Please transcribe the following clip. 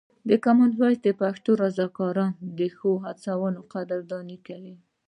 د کامن وایس پښتو رضاکاران د ښو هڅو قدرداني کوي.